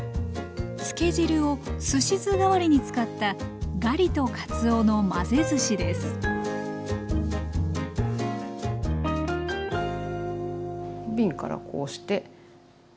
漬け汁をすし酢代わりに使った瓶からこうしてねお酢を。